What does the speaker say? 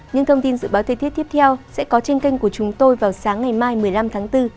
những thông tin dự báo thời tiết tiếp theo sẽ có trên kênh của chúng tôi vào sáng ngày mai một mươi năm tháng bốn